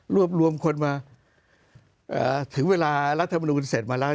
รวบรวมคนมาเอ่อถึงเวลารัฐบาลมูลเสร็จมาแล้ว